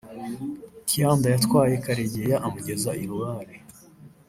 Kyanda yatwaye Karegeya amugeza i Rubare